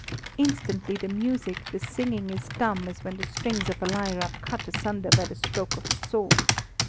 Instantly the music, the singing is dumb as when the strings of a lyre are cut asunder by the stroke of a sword.